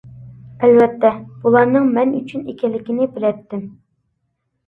ئەلۋەتتە، بۇلارنىڭ مەن ئۈچۈن ئىكەنلىكىنى بىلەتتىم.